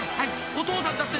お父さんだって⁉］